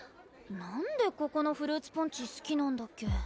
なんでここのフルーツポンチすきなんだっけ？